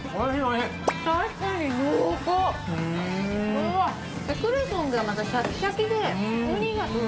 うわっでクレソンがまたシャキシャキでうん！